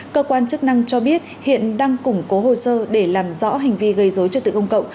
cơ quan chức năng cho biết hiện đang củng cố hồ sơ để làm rõ hành vi gây dối trật tự công cộng